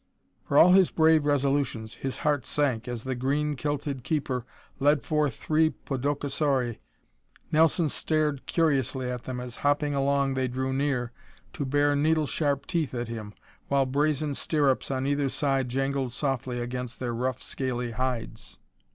For all his brave resolutions, his heart sank, as the green kilted keeper led forth three podokesauri. Nelson stared curiously at them as, hopping along, they drew near, to bare needle sharp teeth at him while, brazen stirrups on either side jangled softly against their rough, scaly hides.